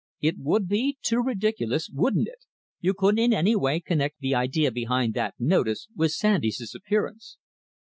"It would be too ridiculous, wouldn't it you couldn't in any way connect the idea behind that notice with Sandy's disappearance?"